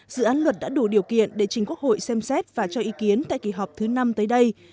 dự án luật đã đủ điều kiện để chính quốc hội xem xét và cho ý kiến tại kỳ họp thứ năm tới đây